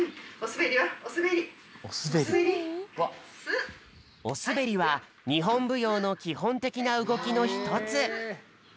おすべりはにほんぶようのきほんてきなうごきのひとつ。